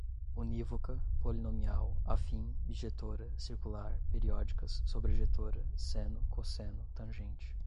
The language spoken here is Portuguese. unívoca, polinomial, afim, bijetora, circular, periódicas, sobrejetora, seno, cosseno, tangente